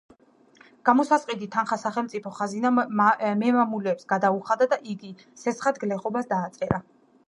გამოსასყიდი თანხა სახელმწიფო ხაზინამ მემამულეებს გადაუხადა და იგი სესხად გლეხობას დააწერა.